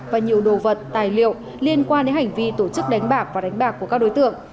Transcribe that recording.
và nhiều đồ vật tài liệu liên quan đến hành vi tổ chức đánh bạc và đánh bạc của các đối tượng